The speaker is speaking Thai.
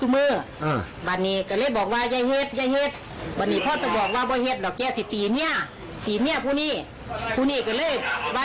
เราก็เล่นแรงไปเอามีดมาปล่องกันตัวมันเรียกฟาดเรา